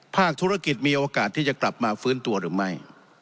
ภาคธุรกิจมีโอกาสที่จะกลับมาฟื้นตัวหรือไม่